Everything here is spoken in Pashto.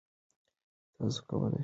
تاسو کولای شئ خپل هېواد بدل کړئ.